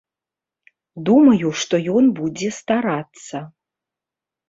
Думаю, што ён будзе старацца.